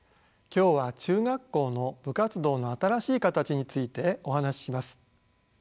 今日は中学校の部活動の新しい形についてお話しします。